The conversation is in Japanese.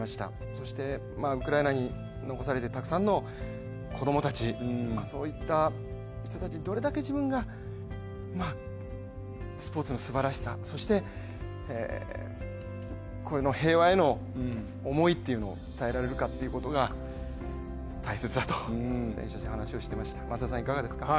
そして、ウクライナに残されたたくさんの子供たち、そういった人たちに、どれだけ自分が、スポーツのすばらしさ平和への思いというのを伝えられるかということが大切だと選手たちは話をしていました。